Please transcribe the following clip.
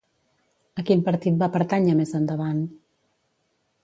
A quin partit va pertànyer més endavant?